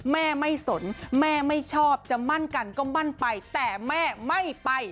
แม่ไม่สนแม่ไม่ชอบจะมั่นกันก็มั่นไปแต่แม่ไม่ไป